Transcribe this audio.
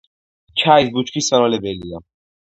ჩაის ბუჩქის მავნებელია.